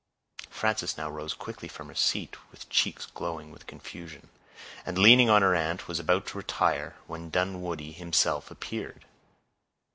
Frances now rose quickly from her seat, with cheeks glowing with confusion, and, leaning on her aunt, was about to retire, when Dunwoodie himself appeared.